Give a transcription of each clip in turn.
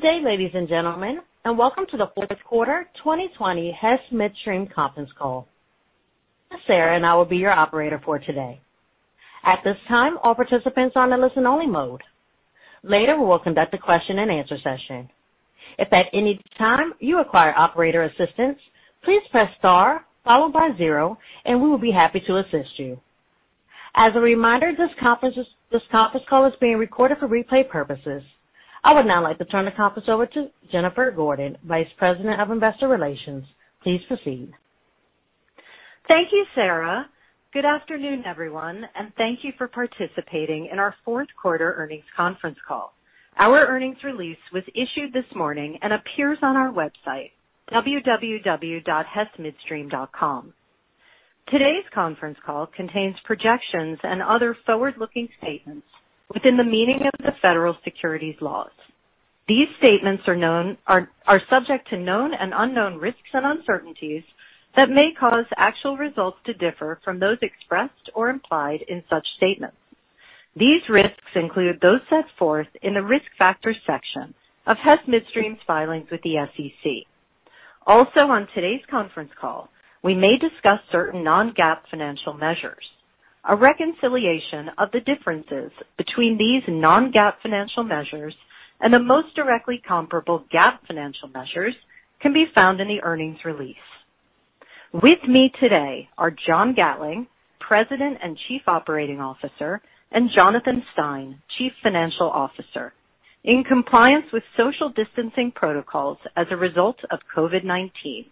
Good day, ladies and gentlemen, and welcome to the fourth quarter 2020 Hess Midstream conference call. My name is Sarah, and I will be your operator for today. At this time, all participants are on listen-only mode. Later, we will conduct a question and answer session. If at any time you require operator assistance, please press star followed by zero, and we will be happy to assist you. As a reminder, this conference call is being recorded for replay purposes. I would now like to turn the conference over to Jennifer Gordon, Vice President of Investor Relations. Please proceed. Thank you, Sarah. Good afternoon, everyone, and thank you for participating in our fourth quarter earnings conference call. Our earnings release was issued this morning and appears on our website, www.hessmidstream.com. Today's conference call contains projections and other forward-looking statements within the meaning of the federal securities laws. These statements are subject to known and unknown risks and uncertainties that may cause actual results to differ from those expressed or implied in such statements. These risks include those set forth in the risk factor section of Hess Midstream's filings with the SEC. Also, on today's conference call, we may discuss certain non-GAAP financial measures. A reconciliation of the differences between these non-GAAP financial measures and the most directly comparable GAAP financial measures can be found in the earnings release. With me today are John Gatling, President and Chief Operating Officer, and Jonathan Stein, Chief Financial Officer. In compliance with social distancing protocols as a result of COVID-19,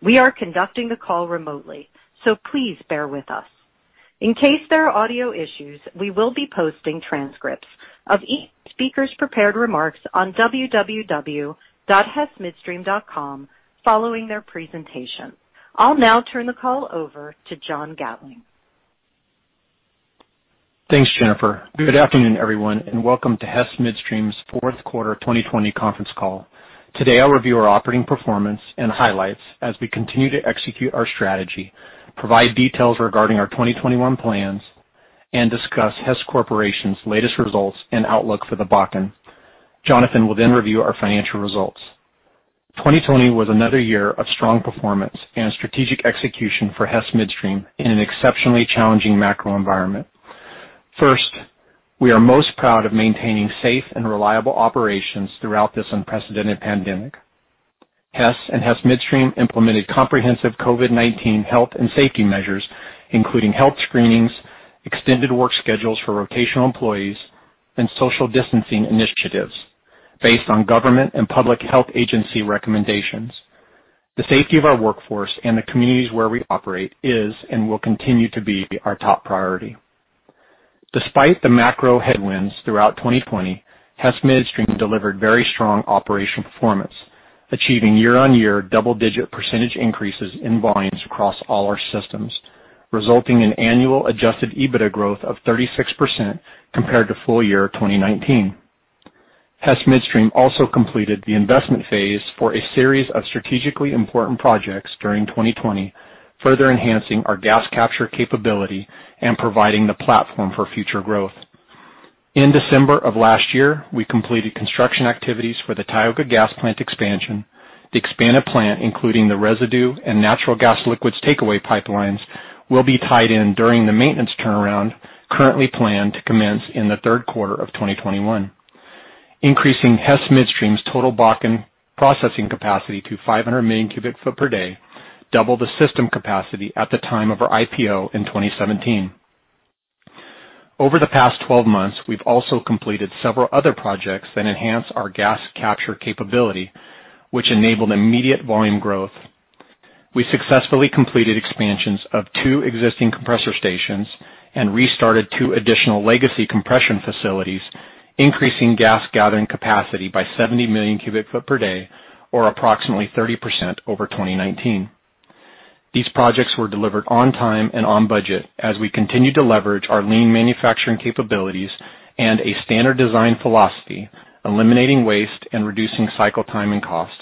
we are conducting the call remotely, please bear with us. In case there are audio issues, we will be posting transcripts of each speaker's prepared remarks on www.hessmidstream.com following their presentation. I'll now turn the call over to John Gatling. Thanks, Jennifer. Good afternoon, everyone, and welcome to Hess Midstream's fourth quarter 2020 conference call. Today, I'll review our operating performance and highlights as we continue to execute our strategy, provide details regarding our 2021 plans, and discuss Hess Corporation's latest results and outlook for the Bakken. Jonathan will review our financial results. 2020 was another year of strong performance and strategic execution for Hess Midstream in an exceptionally challenging macro environment. First, we are most proud of maintaining safe and reliable operations throughout this unprecedented pandemic. Hess and Hess Midstream implemented comprehensive COVID-19 health and safety measures, including health screenings, extended work schedules for rotational employees, and social distancing initiatives based on government and public health agency recommendations. The safety of our workforce and the communities where we operate is and will continue to be our top priority. Despite the macro headwinds throughout 2020, Hess Midstream delivered very strong operation performance, achieving year-on-year double-digit percentage increases in volumes across all our systems, resulting in annual adjusted EBITDA growth of 36% compared to full year 2019. Hess Midstream also completed the investment phase for a series of strategically important projects during 2020, further enhancing our gas capture capability and providing the platform for future growth. In December of last year, we completed construction activities for the Tioga Gas Plant expansion. The expanded plant, including the residue and natural gas liquids takeaway pipelines, will be tied in during the maintenance turnaround currently planned to commence in the third quarter of 2021, increasing Hess Midstream's total Bakken processing capacity to 500 million cubic foot per day, double the system capacity at the time of our IPO in 2017. Over the past 12 months, we've also completed several other projects that enhance our gas capture capability, which enabled immediate volume growth. We successfully completed expansions of two existing compressor stations and restarted two additional legacy compression facilities, increasing gas gathering capacity by 70 million cubic foot per day or approximately 30% over 2019. These projects were delivered on time and on budget as we continued to leverage our lean manufacturing capabilities and a standard design philosophy, eliminating waste and reducing cycle time and cost.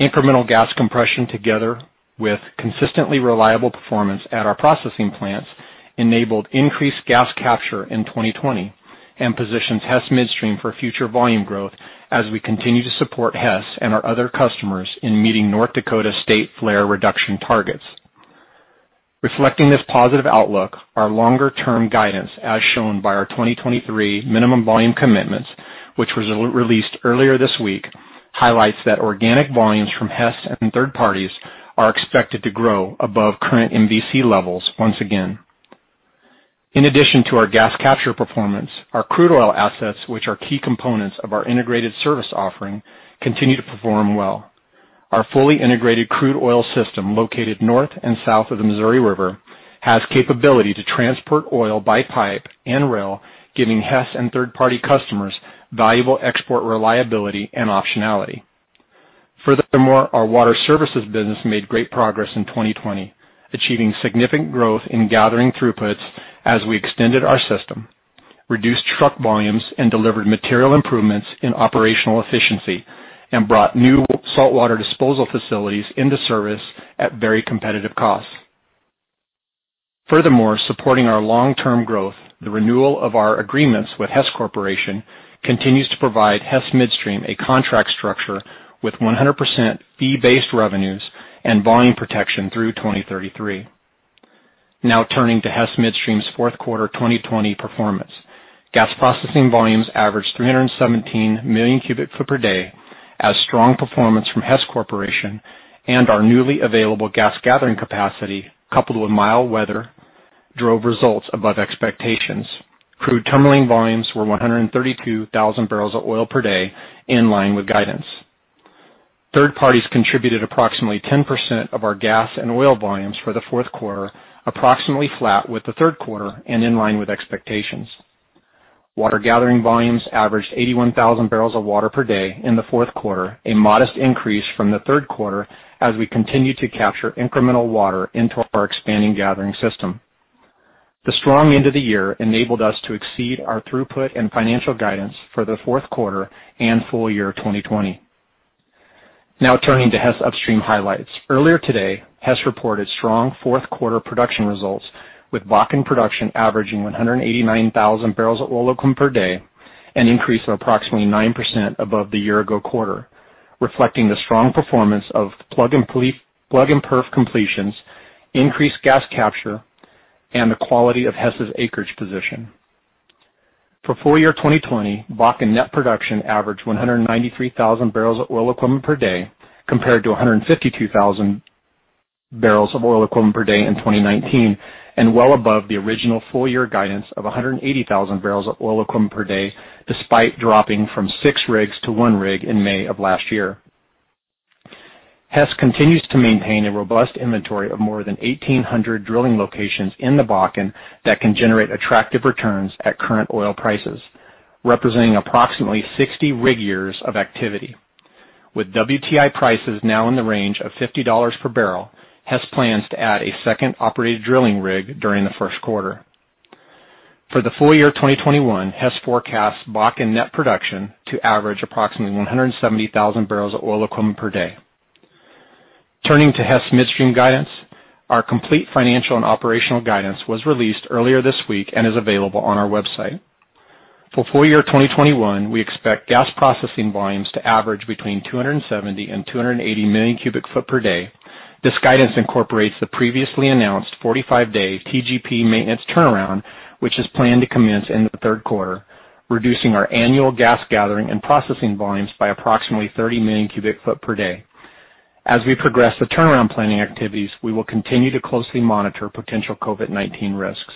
Incremental gas compression together with consistently reliable performance at our processing plants enabled increased gas capture in 2020 and positions Hess Midstream for future volume growth as we continue to support Hess and our other customers in meeting North Dakota state flare reduction targets. Reflecting this positive outlook, our longer-term guidance, as shown by our 2023 Minimum Volume Commitments, which was released earlier this week, highlights that organic volumes from Hess and third parties are expected to grow above current MVC levels once again. In addition to our gas capture performance, our crude oil assets, which are key components of our integrated service offering, continue to perform well. Our fully integrated crude oil system, located north and south of the Missouri River, has capability to transport oil by pipe and rail, giving Hess and third-party customers valuable export reliability and optionality. Furthermore, our water services business made great progress in 2020, achieving significant growth in gathering throughputs as we extended our system, reduced truck volumes, and delivered material improvements in operational efficiency and brought new saltwater disposal facilities into service at very competitive costs. Furthermore, supporting our long-term growth, the renewal of our agreements with Hess Corporation continues to provide Hess Midstream a contract structure with 100% fee-based revenues and volume protection through 2033. Now turning to Hess Midstream's fourth quarter 2020 performance. Gas processing volumes averaged 317 million cubic foot per day as strong performance from Hess Corporation and our newly available gas gathering capacity, coupled with mild weather, drove results above expectations. Crude terminal volumes were 132,000 barrels of oil per day, in line with guidance. Third parties contributed approximately 10% of our gas and oil volumes for the fourth quarter, approximately flat with the third quarter and in line with expectations. Water gathering volumes averaged 81,000 barrels of water per day in the fourth quarter, a modest increase from the third quarter as we continue to capture incremental water into our expanding gathering system. The strong end of the year enabled us to exceed our throughput and financial guidance for the fourth quarter and full year 2020. Turning to Hess Upstream highlights. Earlier today, Hess reported strong fourth quarter production results with Bakken production averaging 189,000 barrels of oil equivalent per day, an increase of approximately 9% above the year-ago quarter, reflecting the strong performance of plug and perf completions, increased gas capture, and the quality of Hess's acreage position. For full year 2020, Bakken net production averaged 193,000 barrels of oil equivalent per day, compared to 152,000 barrels of oil equivalent per day in 2019, and well above the original full-year guidance of 180,000 barrels of oil equivalent per day, despite dropping from 6 rigs to 1 rig in May of last year. Hess continues to maintain a robust inventory of more than 1,800 drilling locations in the Bakken that can generate attractive returns at current oil prices, representing approximately 60 rig years of activity. With WTI prices now in the range of $50 per barrel, Hess plans to add a 2nd operated drilling rig during the first quarter. For the full year 2021, Hess forecasts Bakken net production to average approximately 170,000 barrels of oil equivalent per day. Turning to Hess Midstream guidance. Our complete financial and operational guidance was released earlier this week and is available on our website. For full year 2021, we expect gas processing volumes to average between 270 and 280 million cubic foot per day. This guidance incorporates the previously announced 45-day TGP maintenance turnaround, which is planned to commence in the third quarter, reducing our annual gas gathering and processing volumes by approximately 30 million cubic foot per day. As we progress the turnaround planning activities, we will continue to closely monitor potential COVID-19 risks.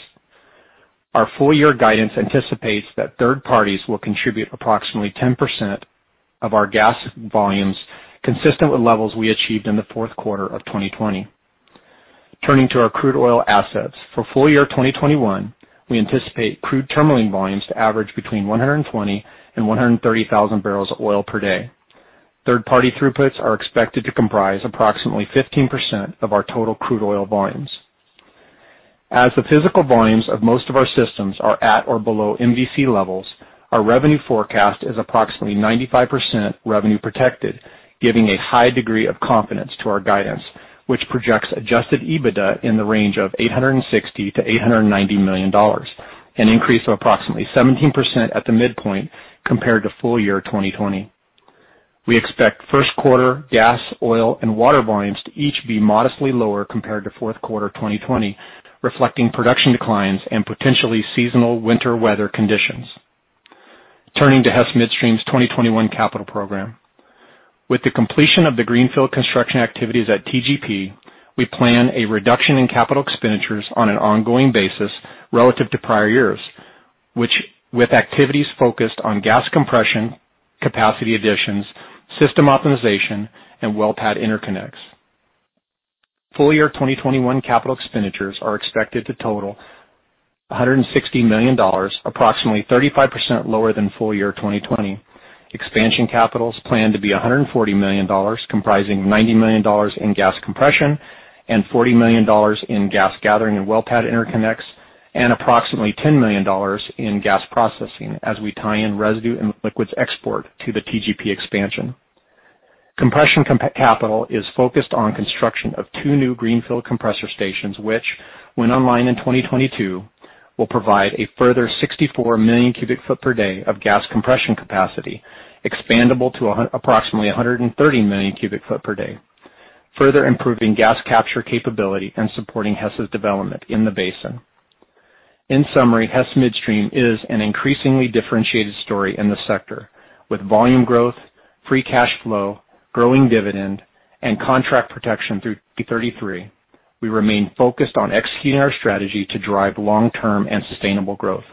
Our full-year guidance anticipates that third parties will contribute approximately 10% of our gas volumes, consistent with levels we achieved in the fourth quarter of 2020. Turning to our crude oil assets. For full year 2021, we anticipate crude terminal volumes to average between 120 and 130 thousand barrels of oil per day. Third-party throughputs are expected to comprise approximately 15% of our total crude oil volumes. As the physical volumes of most of our systems are at or below MVC levels, our revenue forecast is approximately 95% revenue protected, giving a high degree of confidence to our guidance, which projects adjusted EBITDA in the range of $860 million-$890 million, an increase of approximately 17% at the midpoint compared to full year 2020. We expect first quarter gas, oil, and water volumes to each be modestly lower compared to fourth quarter 2020, reflecting production declines and potentially seasonal winter weather conditions. Turning to Hess Midstream's 2021 capital program. With the completion of the greenfield construction activities at TGP, we plan a reduction in capital expenditures on an ongoing basis relative to prior years, with activities focused on gas compression, capacity additions, system optimization, and wellpad interconnects. Full year 2021 capital expenditures are expected to total $160 million, approximately 35% lower than full year 2020. Expansion capital is planned to be $140 million, comprising $90 million in gas compression and $40 million in gas gathering and wellpad interconnects, and approximately $10 million in gas processing as we tie in residue and liquids export to the TGP expansion. Compression capital is focused on construction of two new greenfield compressor stations, which, when online in 2022, will provide a further 64 million cubic foot per day of gas compression capacity, expandable to approximately 130 million cubic foot per day, further improving gas capture capability and supporting Hess's development in the basin. In summary, Hess Midstream is an increasingly differentiated story in the sector, with volume growth, free cash flow, growing dividend, and contract protection through to 2033. We remain focused on executing our strategy to drive long-term and sustainable growth.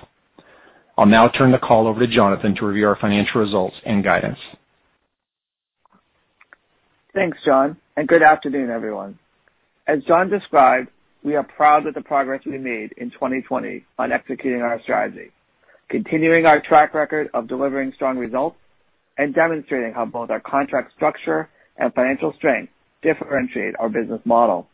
I'll now turn the call over to Jonathan to review our financial results and guidance. Thanks, John. Good afternoon, everyone. As John described, we are proud of the progress we made in 2020 on executing our strategy, continuing our track record of delivering strong results, and demonstrating how both our contract structure and financial strength differentiate our business model.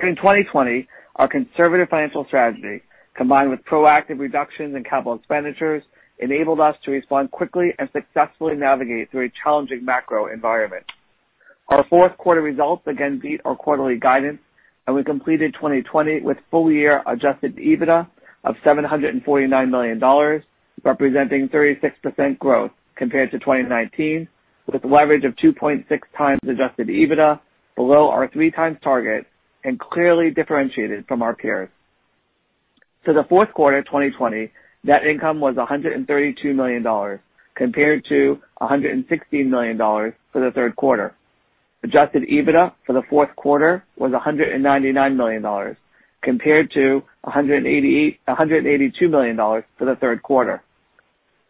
During 2020, our conservative financial strategy, combined with proactive reductions in capital expenditures, enabled us to respond quickly and successfully navigate through a challenging macro environment. Our fourth quarter results again beat our quarterly guidance. We completed 2020 with full year adjusted EBITDA of $749 million, representing 36% growth compared to 2019, with leverage of 2.6x adjusted EBITDA below our 3x target and clearly differentiated from our peers. To the fourth quarter 2020, net income was $132 million compared to $116 million for the third quarter. Adjusted EBITDA for the fourth quarter was $199 million, compared to $182 million for the third quarter.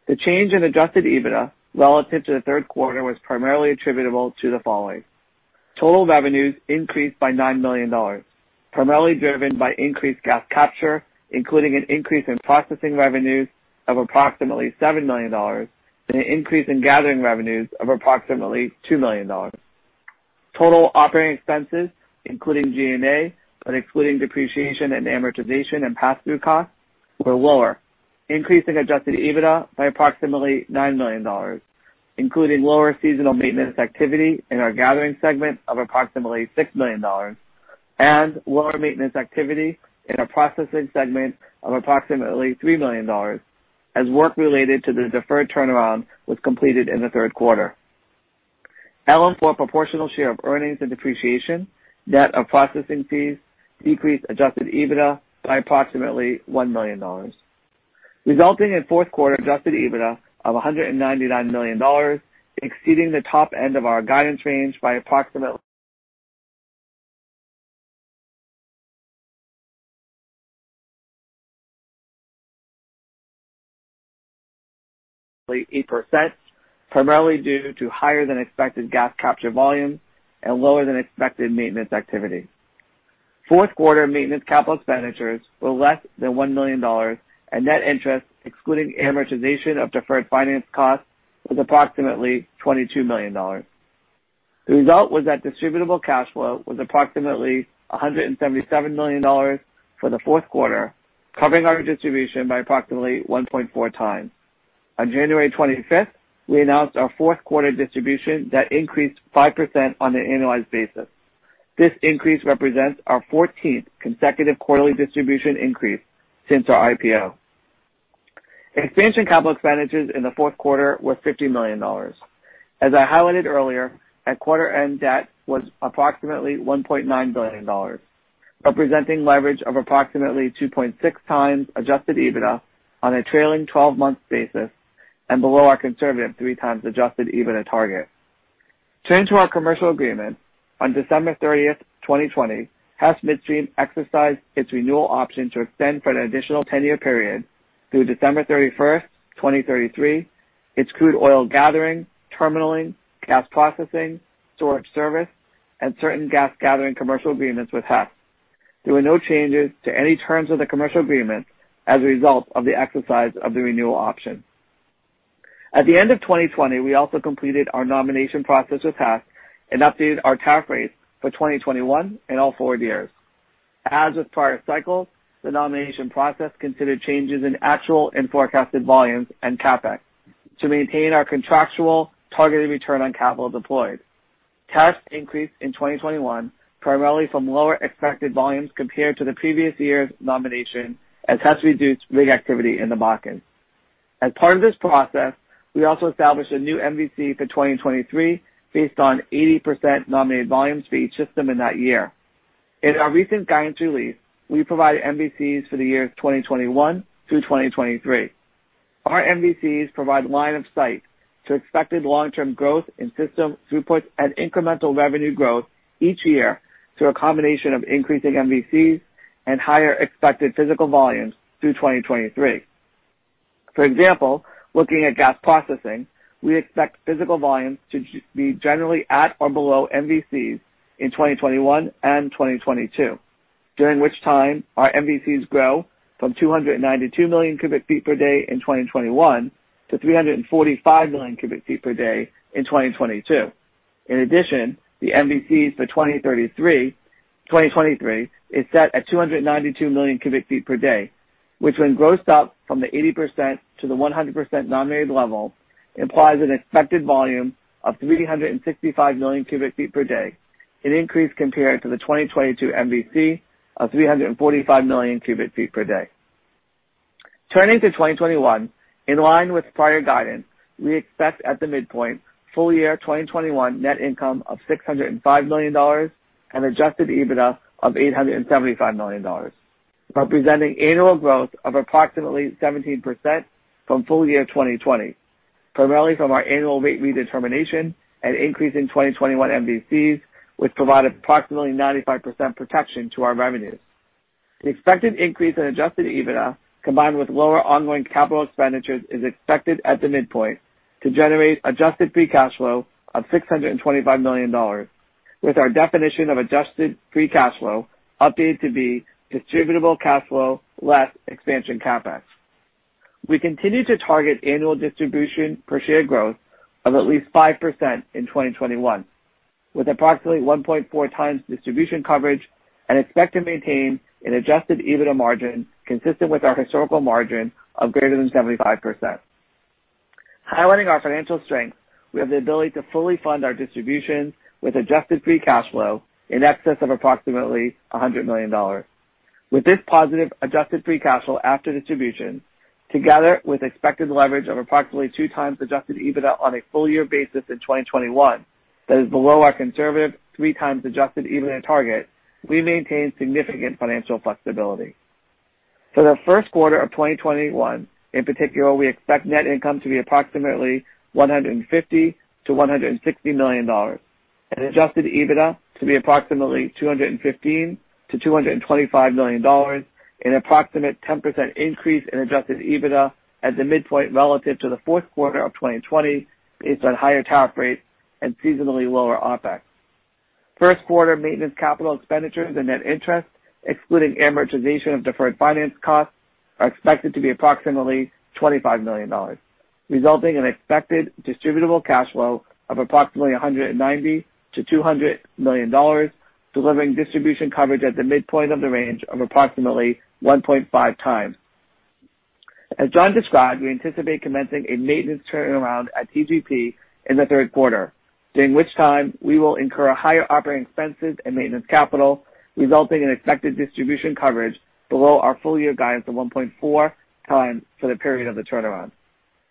The change in adjusted EBITDA relative to the third quarter was primarily attributable to the following. Total revenues increased by $9 million, primarily driven by increased gas capture, including an increase in processing revenues of approximately $7 million and an increase in gathering revenues of approximately $2 million. Total operating expenses, including G&A, but excluding depreciation and amortization and pass-through costs were lower, increasing adjusted EBITDA by approximately $9 million, including lower seasonal maintenance activity in our gathering segment of approximately $6 million and lower maintenance activity in the processing segment of approximately $3 million as work related to the deferred turnaround was completed in the third quarter. LM4 proportional share of earnings and depreciation, net of processing fees decreased adjusted EBITDA by approximately $1 million, resulting in fourth quarter adjusted EBITDA of $199 million, exceeding the top end of our guidance range by approximately 8%, primarily due to higher than expected gas capture volume and lower than expected maintenance activity. Fourth quarter maintenance capital expenditures were less than $1 million and net interest, excluding amortization of deferred finance costs, was approximately $22 million. The result was that distributable cash flow was approximately $177 million for the fourth quarter, covering our distribution by approximately 1.4x. On January 25th, we announced our fourth quarter distribution that increased 5% on an annualized basis. This increase represents our 14th consecutive quarterly distribution increase since our IPO. Expansion capital expenditures in the fourth quarter were $50 million. As I highlighted earlier, at quarter end, debt was approximately $1.9 billion, representing leverage of approximately 2.6 times adjusted EBITDA on a trailing 12-month basis and below our conservative 3 times adjusted EBITDA target. Turning to our commercial agreement, on December 30, 2020, Hess Midstream exercised its renewal option to extend for an additional 10-year period through December 31, 2033, its crude oil gathering, terminaling, gas processing, storage service, and certain gas gathering commercial agreements with Hess. There were no changes to any terms of the commercial agreement as a result of the exercise of the renewal option. At the end of 2020, we also completed our nomination process with Hess and updated our tariff rates for 2021 and all forward years. As with prior cycles, the nomination process considered changes in actual and forecasted volumes and CapEx to maintain our contractual targeted return on capital deployed. Tariff increased in 2021, primarily from lower expected volumes compared to the previous year's nomination as Hess reduced rig activity in the Bakken. As part of this process, we also established a new MVC for 2023 based on 80% nominated volumes for each system in that year. In our recent guidance release, we provided MVCs for the years 2021 through 2023. Our MVCs provide line of sight to expected long-term growth in system throughput and incremental revenue growth each year through a combination of increasing MVCs and higher expected physical volumes through 2023. For example, looking at gas processing, we expect physical volumes to be generally at or below MVCs in 2021 and 2022, during which time our MVCs grow from 292 million cubic feet per day in 2021 to 345 million cubic feet per day in 2022. In addition, the MVCs for 2023 is set at 292 million cubic feet per day, which when grossed up from the 80% to the 100% nominated level, implies an expected volume of 365 million cubic feet per day, an increase compared to the 2022 MVC of 345 million cubic feet per day. Turning to 2021, in line with prior guidance, we expect at the midpoint full year 2021 net income of $605 million and adjusted EBITDA of $875 million, representing annual growth of approximately 17% from full year 2020, primarily from our annual rate redetermination and increase in 2021 MVCs, which provide approximately 95% protection to our revenues. The expected increase in adjusted EBITDA combined with lower ongoing capital expenditures is expected at the midpoint to generate adjusted free cash flow of $625 million with our definition of adjusted free cash flow updated to be distributable cash flow less expansion CapEx. We continue to target annual distribution per share growth of at least 5% in 2021, with approximately 1.4 times distribution coverage and expect to maintain an adjusted EBITDA margin consistent with our historical margin of greater than 75%. Highlighting our financial strength, we have the ability to fully fund our distribution with adjusted free cash flow in excess of approximately $100 million. With this positive adjusted free cash flow after distribution, together with expected leverage of approximately 2 times adjusted EBITDA on a full year basis in 2021, that is below our conservative 3 times adjusted EBITDA target, we maintain significant financial flexibility. For the first quarter of 2021, in particular, we expect net income to be approximately $150 million-$160 million, and adjusted EBITDA to be approximately $215 million-$225 million, an approximate 10% increase in adjusted EBITDA at the midpoint relative to the fourth quarter of 2020 based on higher tariff rates and seasonally lower OpEx. First quarter maintenance capital expenditures and net interest, excluding amortization of deferred finance costs, are expected to be approximately $25 million, resulting in expected distributable cash flow of approximately $190 million-$200 million, delivering distribution coverage at the midpoint of the range of approximately 1.5 times. As John described, we anticipate commencing a maintenance turnaround at TGP in the third quarter, during which time we will incur higher operating expenses and maintenance capital, resulting in expected distribution coverage below our full year guidance of 1.4 times for the period of the turnaround.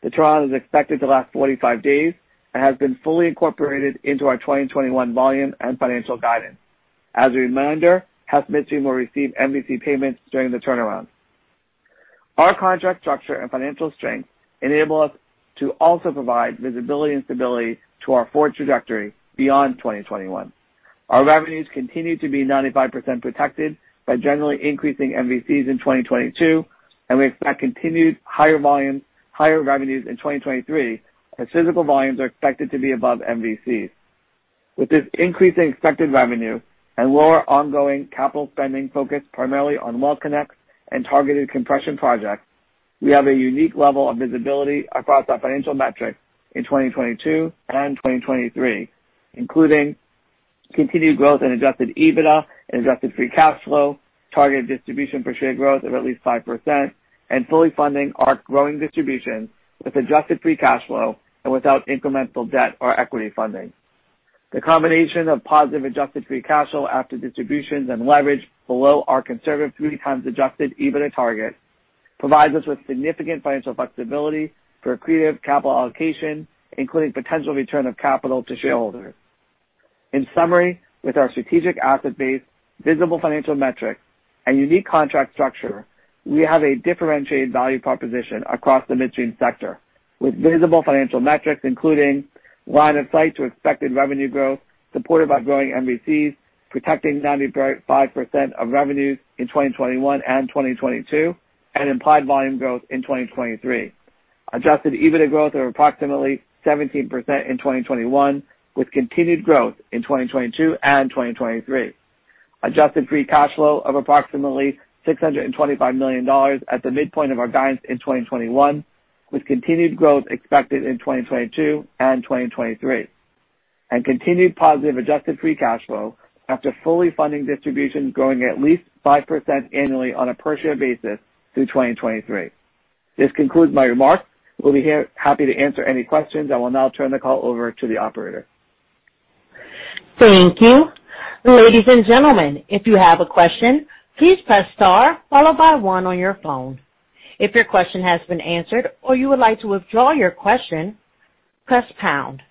The turnaround is expected to last 45 days and has been fully incorporated into our 2021 volume and financial guidance. As a reminder, Hess Midstream will receive MVC payments during the turnaround. Our contract structure and financial strength enable us to also provide visibility and stability to our forward trajectory beyond 2021. Our revenues continue to be 95% protected by generally increasing MVCs in 2022, and we expect continued higher volumes, higher revenues in 2023, as physical volumes are expected to be above MVCs. With this increase in expected revenue and lower ongoing capital spending focused primarily on well connects and targeted compression projects, we have a unique level of visibility across our financial metrics in 2022 and 2023, including continued growth in adjusted EBITDA and adjusted free cash flow, targeted distribution per share growth of at least 5%, and fully funding our growing distribution with adjusted free cash flow and without incremental debt or equity funding. The combination of positive adjusted free cash flow after distributions and leverage below our conservative 3 times adjusted EBITDA target provides us with significant financial flexibility for accretive capital allocation, including potential return of capital to shareholders. In summary, with our strategic asset base, visible financial metrics, and unique contract structure, we have a differentiated value proposition across the midstream sector with visible financial metrics including line of sight to expected revenue growth supported by growing MVCs, protecting 95% of revenues in 2021 and 2022, and implied volume growth in 2023. Adjusted EBITDA growth of approximately 17% in 2021 with continued growth in 2022 and 2023. Adjusted free cash flow of approximately $625 million at the midpoint of our guidance in 2021, with continued growth expected in 2022 and 2023, and continued positive adjusted free cash flow after fully funding distributions growing at least 5% annually on a per share basis through 2023. This concludes my remarks. We'll be happy to answer any questions. I will now turn the call over to the operator. Thank you. Ladies and gentlemen, if you have a question, please press star followed by one on your phone. If your question has been answered or you would like to withdraw your question, press pound.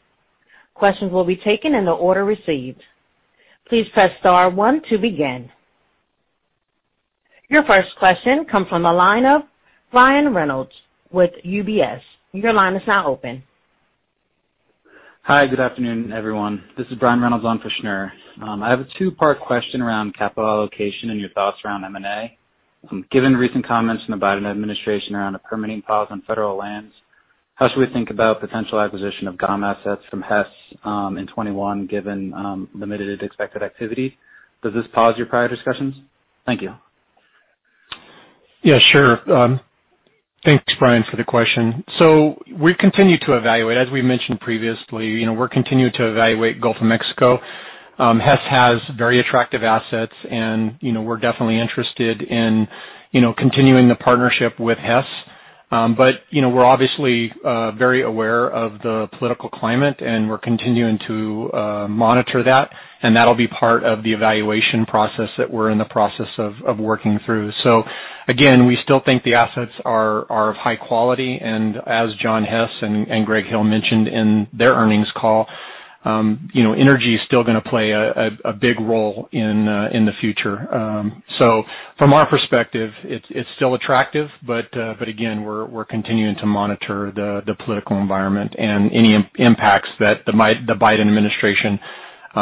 Questions will be taken in the order received. Please press star one to begin. Your first question comes from the line of Brian Reynolds with UBS. Your line is now open. Hi. Good afternoon, everyone. This is Brian Reynolds on for Shneur. I have a two-part question around capital allocation and your thoughts around M&A. Given recent comments from the Biden administration around a permitting pause on federal lands, how should we think about potential acquisition of GOM assets from Hess in 2021, given limited expected activity? Does this pause your prior discussions? Thank you. Yeah, sure. Thanks, Brian, for the question. We continue to evaluate. As we mentioned previously, we're continuing to evaluate Gulf of Mexico. Hess has very attractive assets, and we're definitely interested in continuing the partnership with Hess. We're obviously very aware of the political climate, and we're continuing to monitor that, and that'll be part of the evaluation process that we're in the process of working through. Again, we still think the assets are of high quality, and as John Hess and Greg Hill mentioned in their earnings call, energy is still gonna play a big role in the future. From our perspective, it's still attractive, again, we're continuing to monitor the political environment and any impacts that the Biden administration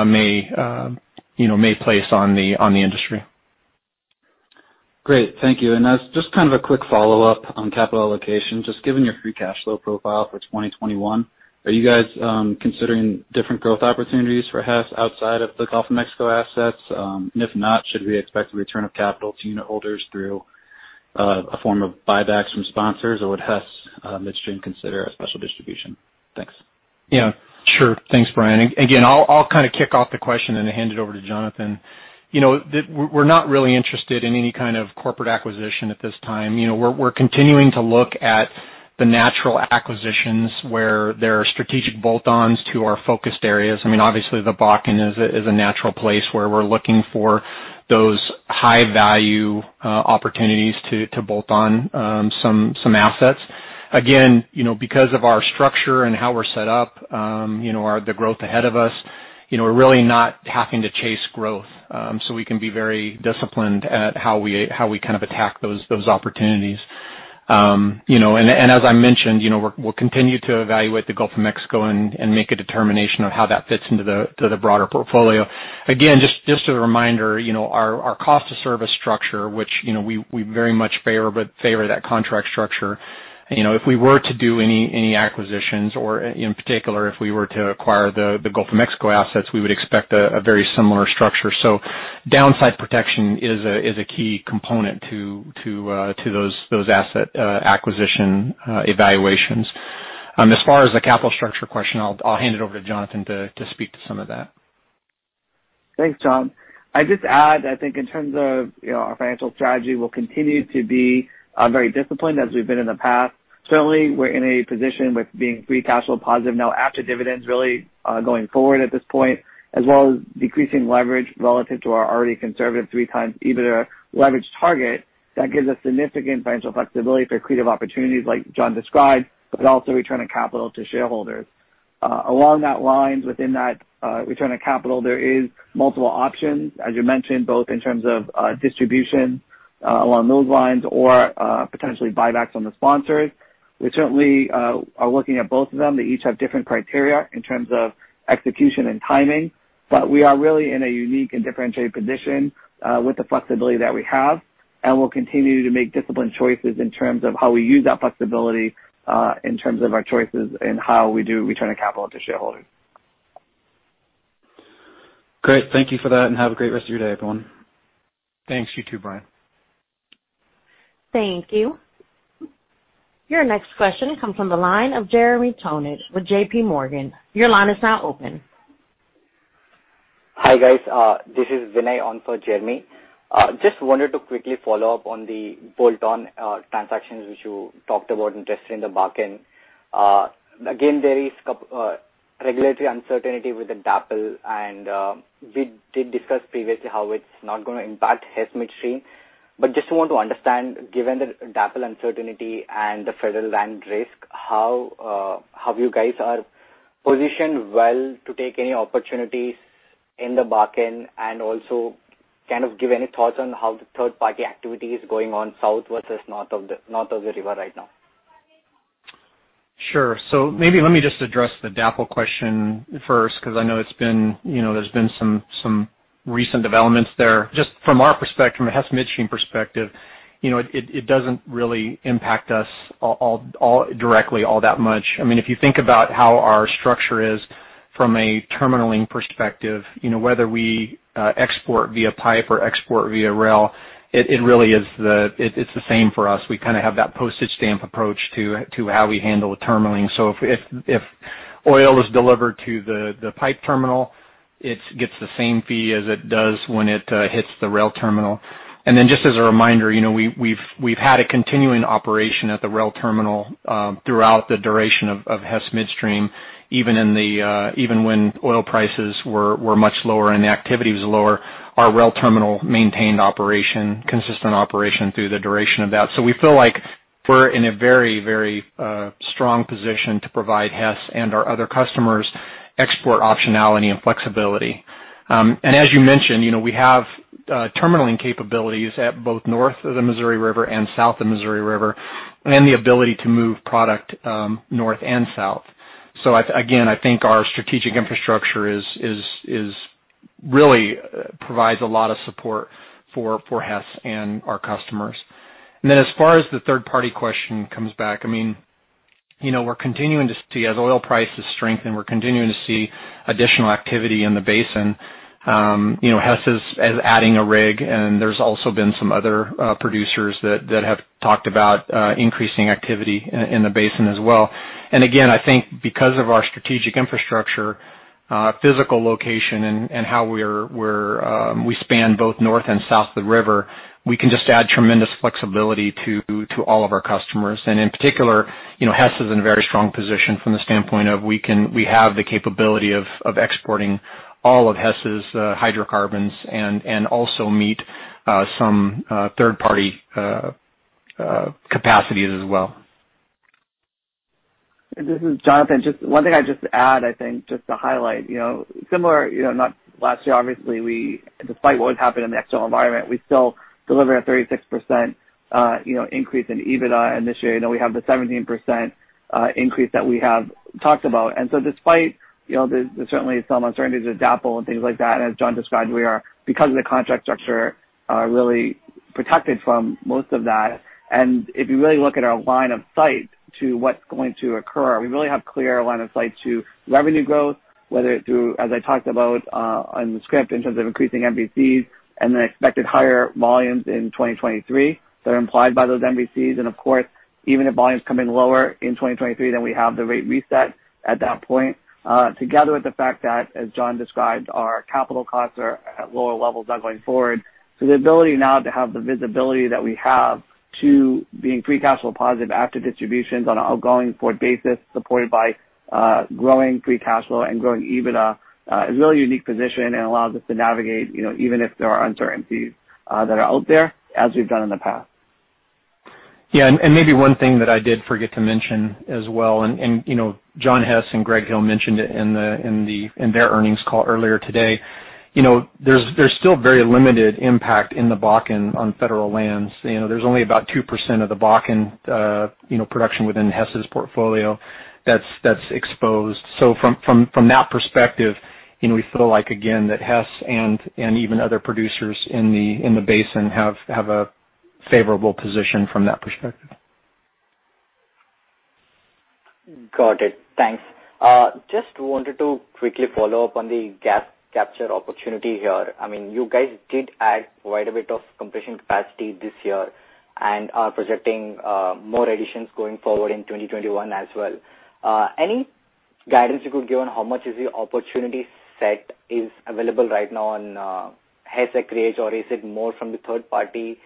may place on the industry. Great. Thank you. As just kind of a quick follow-up on capital allocation, just given your free cash flow profile for 2021, are you guys considering different growth opportunities for Hess outside of the Gulf of Mexico assets? If not, should we expect a return of capital to unitholders through a form of buybacks from sponsors, or would Hess Midstream consider a special distribution? Thanks. Yeah, sure. Thanks, Brian. I'll kind of kick off the question and then hand it over to Jonathan. We're not really interested in any kind of corporate acquisition at this time. We're continuing to look at the natural acquisitions where there are strategic bolt-ons to our focused areas. Obviously, the Bakken is a natural place where we're looking for those high-value opportunities to bolt on some assets. Again, because of our structure and how we're set up, the growth ahead of us, we're really not having to chase growth. We can be very disciplined at how we attack those opportunities. As I mentioned, we'll continue to evaluate the Gulf of Mexico and make a determination of how that fits into the broader portfolio. Again, just as a reminder, our cost of service structure, which we very much favor that contract structure. If we were to do any acquisitions or, in particular, if we were to acquire the Gulf of Mexico assets, we would expect a very similar structure. Downside protection is a key component to those asset acquisition evaluations. As far as the capital structure question, I'll hand it over to Jonathan to speak to some of that. Thanks, John. I'd just add, I think in terms of our financial strategy, we'll continue to be very disciplined as we've been in the past. Certainly, we're in a position with being free cash flow positive now after dividends really going forward at this point, as well as decreasing leverage relative to our already conservative 3x EBITDA leverage target. That gives us significant financial flexibility for creative opportunities like John described, but also returning capital to shareholders. Along that line, within that return of capital, there is multiple options, as you mentioned, both in terms of distribution along those lines or potentially buybacks from the sponsors. We certainly are looking at both of them. They each have different criteria in terms of execution and timing. We are really in a unique and differentiated position with the flexibility that we have. We'll continue to make disciplined choices in terms of how we use that flexibility, in terms of our choices and how we do return of capital to shareholders. Great. Thank you for that. Have a great rest of your day, everyone. Thanks. You too, Brian. Thank you. Your next question comes from the line of Jeremy Tonet with JPMorgan. Your line is now open. Hi, guys. This is Vinay on for Jeremy. Just wanted to quickly follow up on the bolt-on transactions which you talked about interested in the Bakken. Again, there is regulatory uncertainty with the DAPL, and we did discuss previously how it's not going to impact Hess Midstream. Just want to understand, given the DAPL uncertainty and the federal land risk, how you guys are positioned well to take any opportunities in the Bakken and also kind of give any thoughts on how the third-party activity is going on south versus north of the river right now. Sure. Maybe let me just address the DAPL question first because I know there's been some recent developments there. Just from our perspective, from a Hess Midstream perspective, it doesn't really impact us directly all that much. If you think about how our structure is from a terminalling perspective, whether we export via pipe or export via rail, it's the same for us. We kind of have that postage stamp approach to how we handle the terminalling. If oil is delivered to the pipe terminal, it gets the same fee as it does when it hits the rail terminal. Just as a reminder, we've had a continuing operation at the rail terminal throughout the duration of Hess Midstream, even when oil prices were much lower and the activity was lower. Our rail terminal maintained operation, consistent operation through the duration of that. We feel like we're in a very strong position to provide Hess and our other customers export optionality and flexibility. As you mentioned, we have terminalling capabilities at both north of the Missouri River and south of Missouri River and the ability to move product north and south. Again, I think our strategic infrastructure really provides a lot of support for Hess and our customers. As far as the third-party question comes back, we're continuing to see as oil prices strengthen, we're continuing to see additional activity in the basin. Hess is adding a rig, and there's also been some other producers that have talked about increasing activity in the basin as well. Again, I think because of our strategic infrastructure, physical location, and how we span both north and south of the river, we can just add tremendous flexibility to all of our customers. In particular, Hess is in a very strong position from the standpoint of we have the capability of exporting all of Hess's hydrocarbons and also meet some third-party capacities as well. This is Jonathan. One thing I'd just add, I think, just to highlight. Similar, not last year, obviously, despite what was happening in the external environment, we still delivered a 36% increase in EBITDA, this year, we have the 17% increase that we have talked about. Despite there's certainly some uncertainties with DAPL and things like that, as John described, we are, because of the contract structure, really protected from most of that. If you really look at our line of sight to what's going to occur, we really have clear line of sight to revenue growth, whether it through, as I talked about, on the script in terms of increasing MVCs and the expected higher volumes in 2023 that are implied by those MVCs. Of course, even if volumes come in lower in 2023, then we have the rate reset at that point, together with the fact that, as John described, our capital costs are at lower levels now going forward. The ability now to have the visibility that we have to being free cash flow positive after distributions on an ongoing forward basis supported by growing free cash flow and growing EBITDA, is a really unique position and allows us to navigate, even if there are uncertainties that are out there, as we've done in the past. Yeah. Maybe one thing that I did forget to mention as well, John Hess and Greg Hill mentioned it in their earnings call earlier today. There's still very limited impact in the Bakken on federal lands. There's only about 2% of the Bakken production within Hess's portfolio that's exposed. From that perspective, we feel like, again, that Hess and even other producers in the basin have a favorable position from that perspective. Got it. Thanks. Just wanted to quickly follow up on the gas capture opportunity here. You guys did add quite a bit of compression capacity this year and are projecting more additions going forward in 2021 as well. Any guidance you could give on how much is the opportunity set is available right now on Hess acreage or is it more from the third party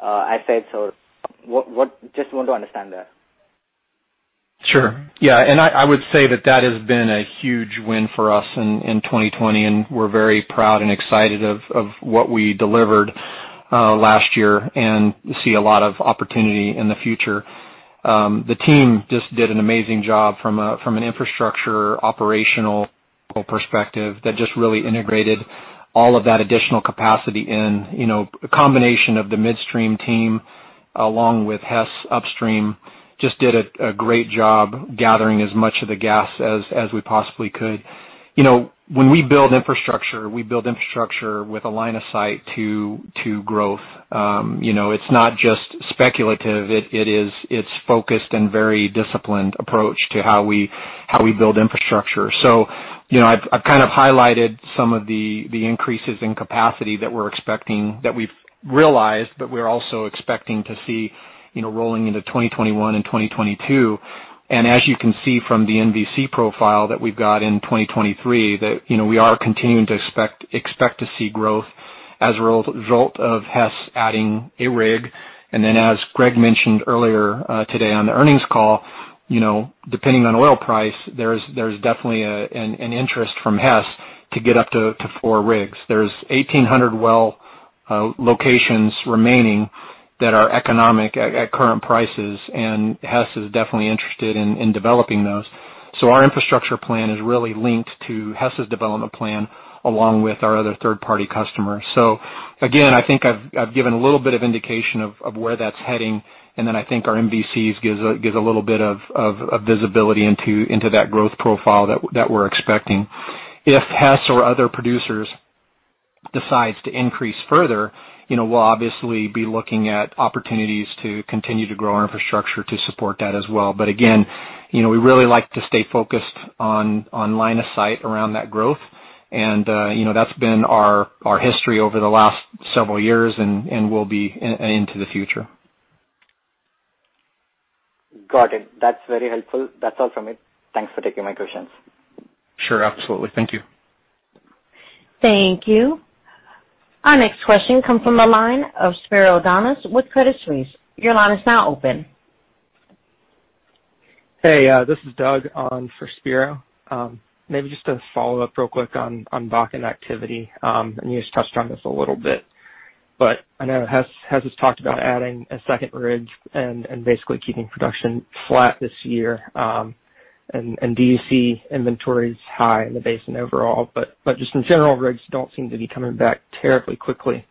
assets? Just want to understand that. Sure. Yeah. I would say that that has been a huge win for us in 2020, and we're very proud and excited of what we delivered last year and see a lot of opportunity in the future. The team just did an amazing job from an infrastructure operational perspective that just really integrated all of that additional capacity in. A combination of the midstream team along with Hess Upstream just did a great job gathering as much of the gas as we possibly could. When we build infrastructure, we build infrastructure with a line of sight to growth. It's not just speculative. It's focused and very disciplined approach to how we build infrastructure. I've kind of highlighted some of the increases in capacity that we've realized, but we're also expecting to see rolling into 2021 and 2022. As you can see from the MVC profile that we've got in 2023, that we are continuing to expect to see growth as a result of Hess adding a rig. As Greg mentioned earlier today on the earnings call, depending on oil price, there's definitely an interest from Hess to get up to four rigs. There's 1,800 well locations remaining that are economic at current prices, and Hess is definitely interested in developing those. Our infrastructure plan is really linked to Hess's development plan along with our other third-party customers. Again, I think I've given a little bit of indication of where that's heading, and then I think our MVCs gives a little bit of visibility into that growth profile that we're expecting. If Hess or other producers decides to increase further, we'll obviously be looking at opportunities to continue to grow our infrastructure to support that as well. Again, we really like to stay focused on line of sight around that growth, and that's been our history over the last several years and will be into the future. Got it. That's very helpful. That's all from me. Thanks for taking my questions. Sure. Absolutely. Thank you. Thank you. Our next question comes from the line of Spiro Dounis with Credit Suisse. Your line is now open. Hey, this is Doug on for Spiro. Maybe just to follow up real quick on Bakken activity. You just touched on this a little bit, but I know Hess has talked about adding a second rig and basically keeping production flat this year. Do you see inventories high in the basin overall? Just in general, rigs don't seem to be coming back terribly quickly.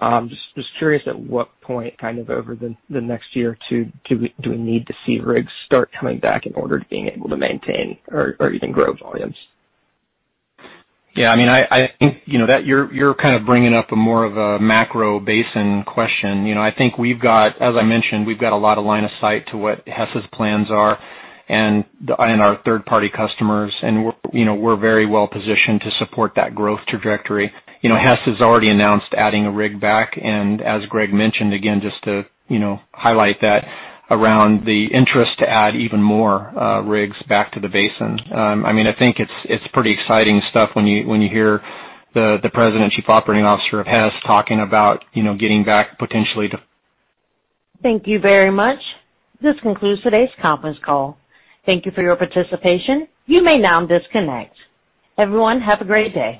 Just curious at what point over the next year or two do we need to see rigs start coming back in order to being able to maintain or even grow volumes? Yeah. I think you're kind of bringing up a more of a macro basin question. I think as I mentioned, we've got a lot of line of sight to what Hess's plans are and our third-party customers, and we're very well positioned to support that growth trajectory. Hess has already announced adding a rig back, and as Greg mentioned, again, just to highlight that around the interest to add even more rigs back to the basin. I think it's pretty exciting stuff when you hear the President Chief Operating Officer of Hess talking about getting back potentially to- Thank you very much. This concludes today's conference call. Thank you for your participation. You may now disconnect. Everyone, have a great day.